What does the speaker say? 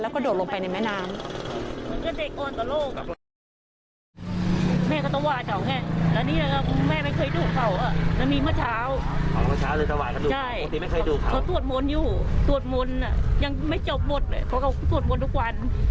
แล้วก็โดดลงไปในแม่น้ำ